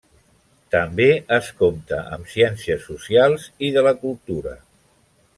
També es compta amb ciències socials i de la cultura.